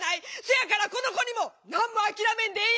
せやからこの子にも何も諦めんでえ